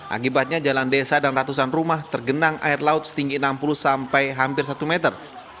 akibatnya jalan desa dan ratusan rumah tergenang air laut setinggi enam puluh sampai hampir satu meter